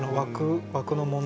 枠の問題で。